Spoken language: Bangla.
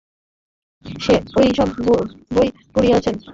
সে ওই সব বই পড়িয়াছে।